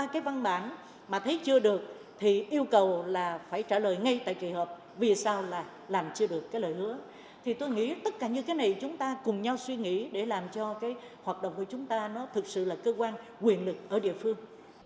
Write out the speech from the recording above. chúng ta cùng nhau suy nghĩ để làm cho hoạt động của chúng ta thực sự là cơ quan quyền lực ở địa phương